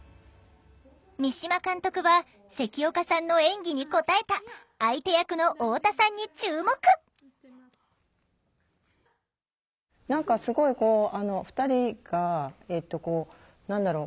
三島監督は関岡さんの演技に応えた相手役の太田さんに注目何かすごい２人がえっと何だろう？